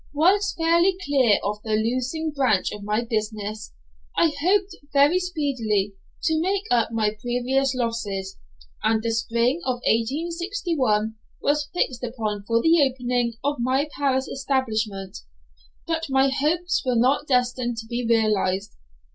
Once fairly clear of the losing branch of my business I hoped very speedily to make up my previous losses, and the spring of 1861 was fixed upon for the opening of my Paris establishment. But my hopes were not destined to be realised.